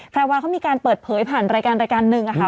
ภาวะเขามีการเปิดเผยผ่านรายการหนึ่งอะค่ะ